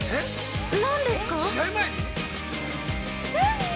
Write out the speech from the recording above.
◆何ですか。